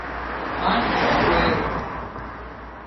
هانَ خوٻ رويو